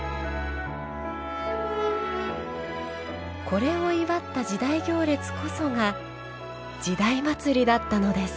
これを祝った時代行列こそが「時代祭」だったのです。